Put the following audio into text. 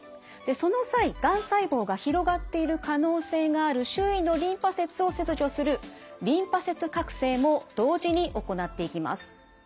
その際がん細胞が広がっている可能性がある周囲のリンパ節を切除するリンパ節郭清も同時に行っていきます。